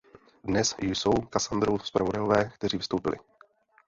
Dnes jsou Kassandrou zpravodajové, kteří vystoupili.